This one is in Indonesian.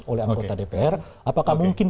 oleh anggota dpr apakah mungkin